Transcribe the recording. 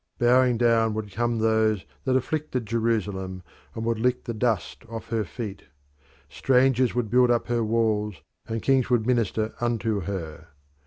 Bowing down would come those that afflicted Jerusalem, and would lick the dust off her feet. Strangers would build up her walls, and kings would minister unto her.